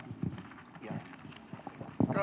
sehingga ada kesimpulan itu tadi